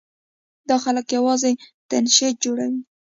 دا خلک یوازې تشنج جوړوي.